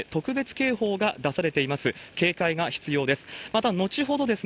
警戒が必要です。